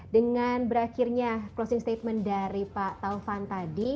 dengan berakhirnya closing statement dari pak taufan tadi